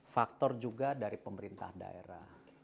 faktor juga dari pemerintah daerah